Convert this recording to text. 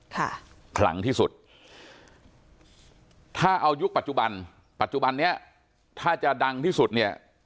ขลังที่สุดถ้าเอายุคปัจจุบันปัจจุบันเนี้ยถ้าจะดังที่สุดเนี่ย